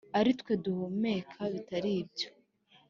aritwe duhumeka bitaribyo